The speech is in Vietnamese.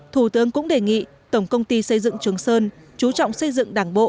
thủ tướng cũng đề nghị tổng công ty xây dựng trường sơn chú trọng xây dựng đảng bộ